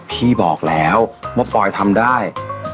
พี่บอกแล้วว่าปอยทำได้